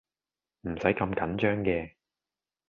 唔使咁緊張嘅